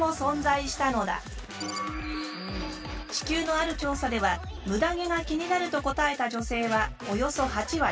地球のある調査ではムダ毛が気になると答えた女性はおよそ８割。